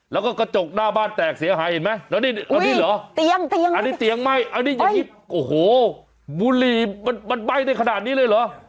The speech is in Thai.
แล้วก็กระจกหน้าบ้านแตกเสียหายเห็นไหมแล้วนี่เอานี่เหรออันนี้เตียงไหม้อันนี้อย่างที่โอ้โหบุหรี่มันไหม้ได้ขนาดนี้เลยเหรอ